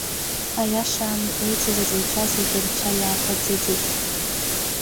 Аиаша ами, еицыз аҵаҩцәа зегьы рцәа иааҭаӡыӡеит.